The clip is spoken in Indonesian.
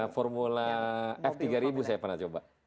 formula f tiga saya pernah coba